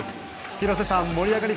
広瀬さん、盛り上がり